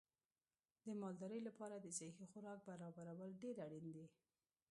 د مالدارۍ لپاره د صحي خوراک برابرول ډېر اړین دي.